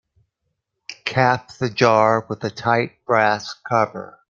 Cap the jar with a tight brass cover.